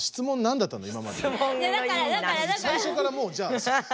最初からもうじゃあ。